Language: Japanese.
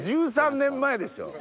１３年前ですよ！